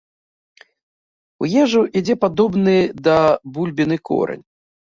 У ежу ідзе падобны да бульбіны корань.